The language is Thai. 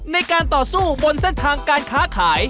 ในการต่อสู้บนเส้นทางการค้าขาย